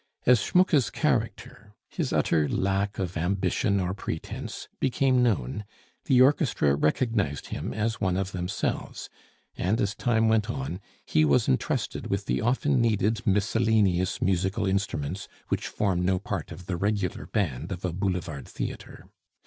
As Schmucke's character, his utter lack of ambition or pretence became known, the orchestra recognized him as one of themselves; and as time went on, he was intrusted with the often needed miscellaneous musical instruments which form no part of the regular band of a boulevard theatre.